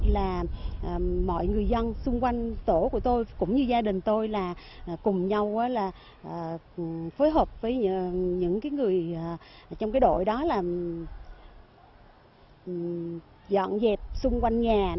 là mọi người dân xung quanh tổ của tôi cũng như gia đình tôi là cùng nhau phối hợp với những người trong cái đội đó là dọn dẹp xung quanh nhà